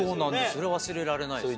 それは忘れられないですね。